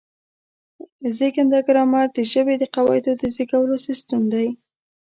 زېږنده ګرامر د ژبې د قواعدو د زېږولو سیستم دی.